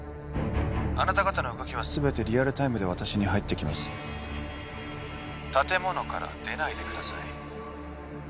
あなた方の動きは全てリアルタイムで私に入ってきます建物から出ないでください